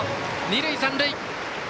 二塁残塁。